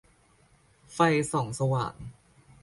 ไฟส่องสว่าง